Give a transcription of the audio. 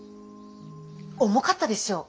重かったでしょ。